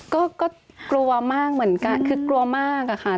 ก็กลัวมากเหมือนกันคือกลัวมากอะค่ะ